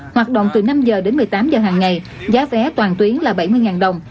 hoạt động từ năm h đến một mươi tám giờ hàng ngày giá vé toàn tuyến là bảy mươi đồng